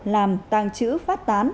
làm tàng chữ phát tán